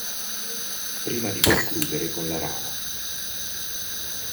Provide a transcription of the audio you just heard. Prima di concludere con la rana.